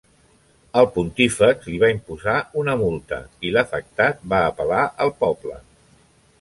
El Pontífex li va imposar una multa i l’afectat va apel·lar al poble.